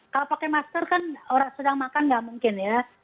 kalau pakai masker kan orang sedang makan nggak mungkin ya